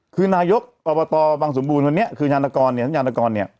คือนายกอบตบังสมบูรณ์วันนี้คือยานกรเนี่ยยานกรเนี่ย